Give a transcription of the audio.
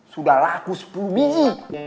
sudah laku sepuluh biji